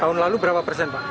tahun lalu berapa persen pak